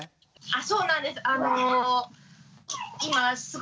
あそうなんです。